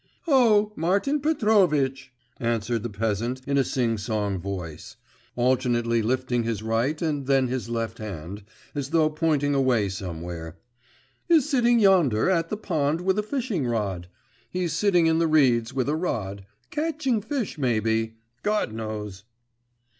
'Oh, Martin Petrovitch,' answered the peasant, in a sing song voice, alternately lifting his right and then his left hand, as though pointing away somewhere, 'is sitting yonder, at the pond, with a fishing rod. He's sitting in the reeds, with a rod. Catching fish, maybe, God knows.